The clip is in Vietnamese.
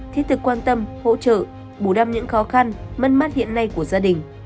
thiết thực quan tâm hỗ trợ bù đắp những khó khăn mất mát hiện nay của gia đình